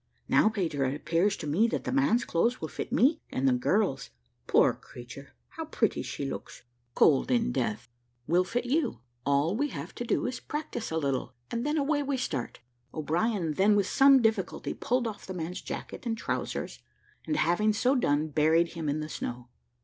Now, Peter, it appears to me that the man's clothes will fit me, and the girl's (poor creature, how pretty she looks, cold in death!) will fit you. All we have to do is to practise a little, and then away we start." O'Brien then, with some difficulty, pulled off the man's jacket and trowsers, and having so done, buried him in the snow.